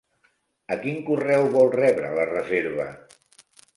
A quin correu vol rebre la reserva?